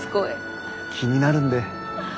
気になるんで。